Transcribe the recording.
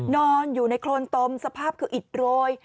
นอนอยู่ในโครนตมสภาพคืออิดโรย